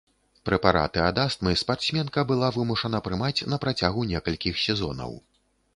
Прэпараты ад астмы спартсменка была вымушана прымаць на працягу некалькіх сезонаў.